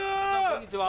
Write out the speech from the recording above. こんにちは。